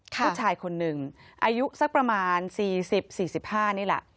ค่ะผู้ชายคนนึงอายุสักประมาณสี่สิบสี่สิบห้านี่แหละ